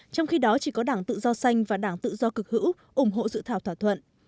trong khi đó chỉ có đảng tự do xanh và đảng tự do cực hữu ủng hộ dự thảo thỏa thuận